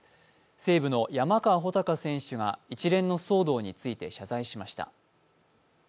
西武の山川穂高選手が一連の騒動について謝罪しました。